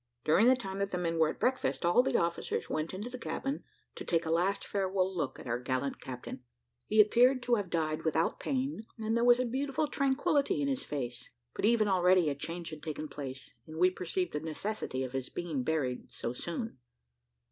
During the time that the men were at breakfast, all the officers went into the cabin to take a last farewell look at our gallant captain. He appeared to have died without pain, and there was a beautiful tranquillity in his face; but even already a change had taken place, and we perceived the necessity of his being buried so soon.